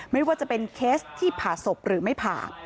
ไม่ว่าจะเป็นเคสที่ผ่าศพหรือไม่ผ่า